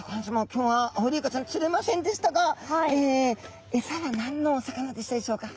今日はアオリイカちゃん釣れませんでしたがエサは何のお魚でしたでしょうか？